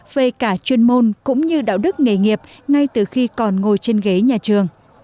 về cả chuyên môn cũng như đạo đức nghề nghiệp ngay từ khi còn ngồi trên ghế nhà trường